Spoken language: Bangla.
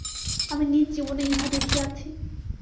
আমি নিজ জীবনে ইহা দেখিয়াছি।